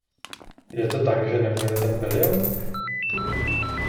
Je to tak, že neměli ten bilion?